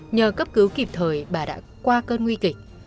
nhờ cấp cứu kịp thời bà đã qua cơn nguy kịch